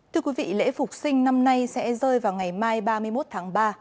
thưa quý vị lễ phục sinh năm nay sẽ rơi vào ngày mai ba mươi một tháng ba